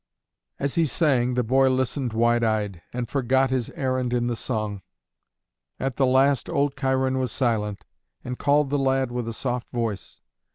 As he sang the boy listened wide eyed, and forgot his errand in the song. At the last old Cheiron was silent, and called the lad with a soft voice.